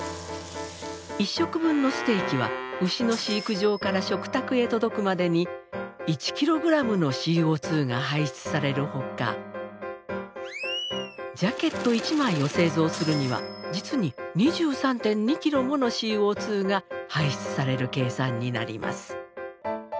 １食分のステーキは牛の飼育場から食卓へ届くまでに１ｋｇのＣＯが排出されるほかジャケット１枚を製造するには実に２３．２ｋｇものＣＯが排出される計算になります。